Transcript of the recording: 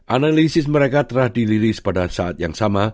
analisis mereka telah dirilis pada saat yang sama